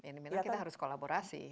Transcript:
ini memang kita harus kolaborasi